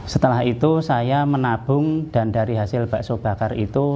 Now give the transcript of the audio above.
setelah itu saya menabung dan dari hasil bakso bakar itu